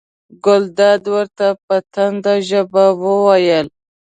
ګلداد ورته په تنده ژبه وویل.